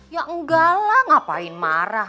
ya enggak lah ngapain marah